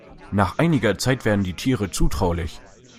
Nach einiger Zeit werden die Tiere zutraulich.